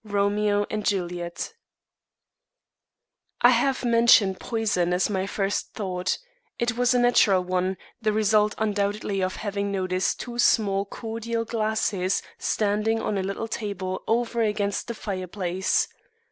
Romeo and Juliet. I have mentioned poison as my first thought. It was a natural one, the result undoubtedly of having noticed two small cordial glasses standing on a little table over against the fireplace.